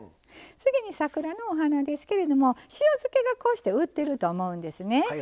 次に桜のお花ですけれども塩漬けがこうして売ってると思うんですね。